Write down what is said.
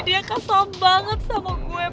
dia kesal banget sama gue